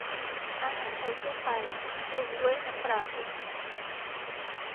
อาหารไทยทั่วไป ปรุงด้วยน้ำปลาพริก